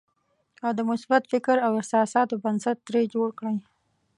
او د مثبت فکر او احساساتو بنسټ ترې جوړ کړئ.